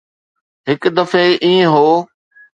هڪ دفعي ائين هو.